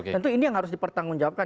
tentu ini yang harus dipertanggungjawabkan